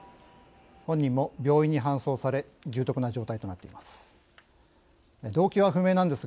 本人も病院に搬送され重篤な状態となっています。